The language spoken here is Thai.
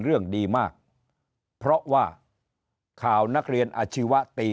เรื่องดีมากเพราะว่าข่าวนักเรียนอาชีวะตี